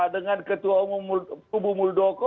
dengan ketua umum kubu muldoko